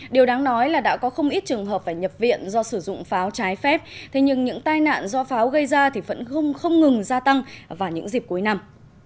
điều đáng nói là đã có không ít trường hợp phải nhập viện do sử dụng pháo trái phép thế nhưng những tai nạn do pháo gây ra thì vẫn không ngừng gia tăng vào những dịp cuối năm